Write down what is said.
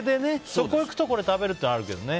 そこ行くとこれ食べるっていうのはあるけどね。